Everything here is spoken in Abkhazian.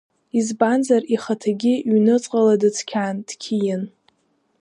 Избанзар ихаҭагьы ҩнуҵҟала дыцқьан, дқьиан.